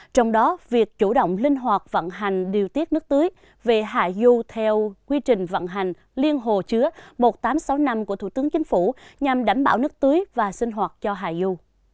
trong đó việc chủ động linh hoạt vận hành điều tiết nước tưới về hà du theo quy trình vận hành liên hồ chứa một nghìn tám trăm sáu mươi năm của thủ tướng chính phủ nhằm đảm bảo nước tưới và sinh hoạt cho hà du